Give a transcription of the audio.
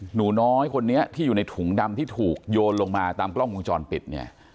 หนูน้อยคนนี้ที่อยู่ในถุงดำที่ถูกโยนลงมาตามกล้องวงจรปิดเนี่ย